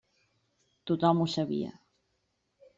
Tothom ho sabia.